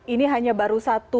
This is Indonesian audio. ini hanya baru satu